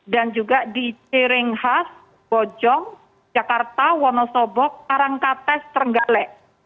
dan juga di ciringhas bojong jakarta wonosobok arangkates trenggale